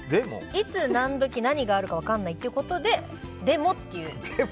いつ何時、何があるか分からないということででも、という。